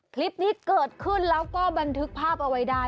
คลิปนี้เกิดขึ้นแล้วก็บันทึกภาพเอาไว้ได้